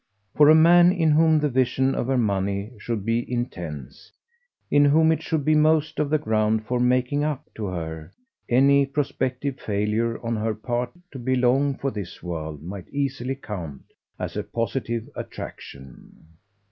For a man in whom the vision of her money should be intense, in whom it should be most of the ground for "making up" to her, any prospective failure on her part to be long for this world might easily count as a positive attraction.